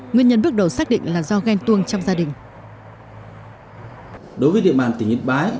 nguyên nhân bước đầu xác định là do ghen tuông trong gia đình